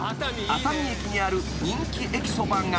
［熱海駅にある人気駅そばが］